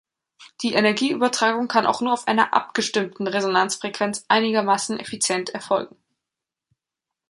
Die Energieübertragung kann auch nur auf einer abgestimmten Resonanzfrequenz einigermaßen effizient erfolgen.